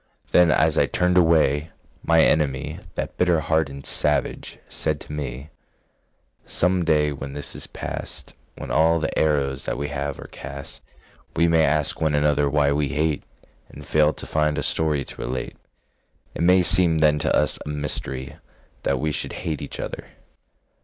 Then, as I turned away, my enemy, That bitter heart and savage, said to me: "Some day, when this is past, When all the arrows that we have are cast, We may ask one another why we hate, And fail to find a story to relate. It may seem then to us a mystery That we should hate each other."